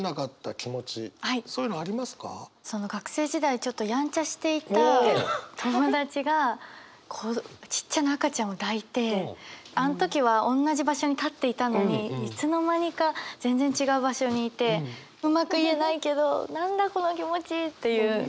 学生時代ちょっとやんちゃしていた友達がちっちゃな赤ちゃんを抱いてあの時はおんなじ場所に立っていたのにいつの間にか全然違う場所にいてうまく言えないけど「何だこの気持ち」っていう。